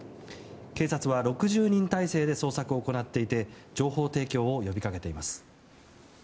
警察は６０人態勢で捜索を行っていて情報提供を呼び掛けています。